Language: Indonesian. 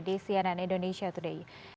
di jalan indonesia today